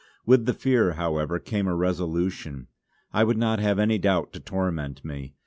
With the fear, however, came a resolution; I would not have any doubt to torment me.